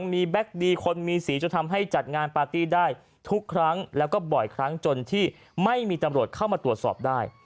มีแบ็คดีคนมีสีจนทำให้จัดงานปาร์ตี้ได้ทุกครั้งแล้วก็บ่อยครั้งจนที่ไม่มีตำรวจเข้ามาตรวจสอบได้